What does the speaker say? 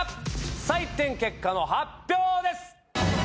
採点結果の発表です！